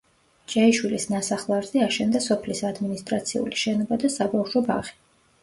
ჭეიშვილის ნასახლარზე აშენდა სოფლის ადმინისტრაციული შენობა და საბავშვო ბაღი.